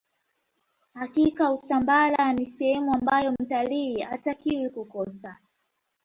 hakika usambara ni sehemu ambayo mtalii hatakiwa kukosa